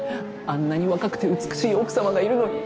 あんなに若くて美しい奥様がいるのに。